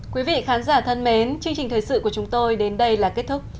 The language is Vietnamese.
quý vị khán giả thân mến chương trình thời sự của chúng tôi đến đây là kết thúc